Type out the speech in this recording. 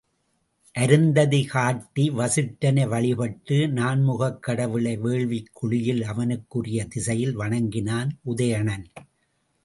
அருந்ததி காட்டி, வசிட்டனை வழிபட்டு, நான்முகக் கடவுளை வேள்விக் குழியில் அவனுக்குரிய திசையில் வணங்கினான் உதயணன்.